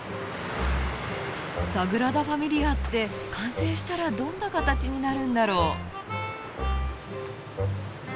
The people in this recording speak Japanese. サグラダ・ファミリアって完成したらどんな形になるんだろう？